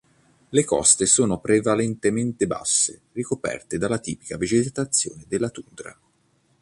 Le coste sono prevalentemente basse, ricoperte dalla tipica vegetazione della tundra.